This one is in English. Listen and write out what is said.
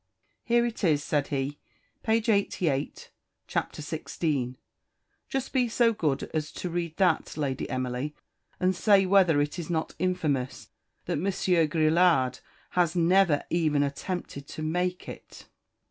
"Here it is," said he, "page 88, chap. xvi. Just be so good as read that, Lady Emily, and say whether it is not infamous that Monsieur Grillade has never even attempted to make it."